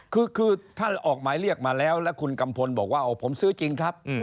คือท่านออกหมายเรียกมาแล้วแล้วคุณกัมพลบอกว่าผมซื้อจริงครับ